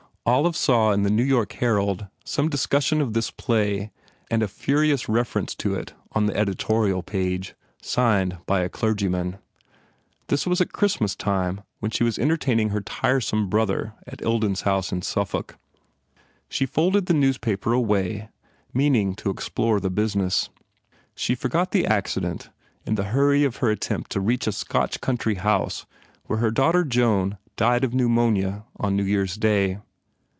Olive saw in the New York Herald some dis cussion of this play and a furious reference to it on the editorial page, signed by a clergyman. This was at Christmas time when she was enter taining her tiresome brother at Ilden s house in IOO PENALTIES Suffolk. She folded the newspaper away, mean ing to explore the business. She forgot the ac cident in the hurry of her attempt to reach a Scotch country house where her daughter Joan died of pneumonia on New Year s Day.